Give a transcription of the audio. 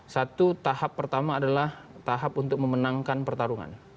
satu tahap pertama adalah tahap untuk memenangkan pertarungan